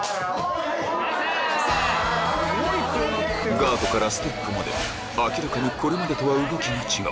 ・ガードからステップまで明らかにこれまでとは動きが違う